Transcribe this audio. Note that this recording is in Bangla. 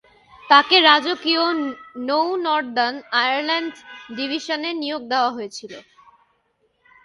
তাকে রাজকীয় নৌ নর্দান আয়ারল্যান্ড ডিভিশনে নিয়োগ দেওয়া হয়েছিল।